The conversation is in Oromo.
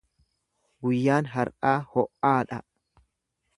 Guyyaan har’aa ho’aa dha.